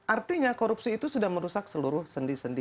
artinya korupsi itu sudah merusak seluruh sendi sendi